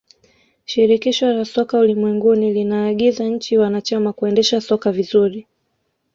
shirikisho la soka ulimwenguni linaagiza nchi wanachama kuendesha soka vizuri